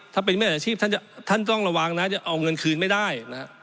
ถ้าเป็นแม่อาชีพท่านต้องระวังนะจะเอาเงินคืนไม่ได้นะฮะ